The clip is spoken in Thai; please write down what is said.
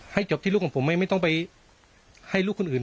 จบที่ลูกของผมไม่ต้องไปให้ลูกคนอื่น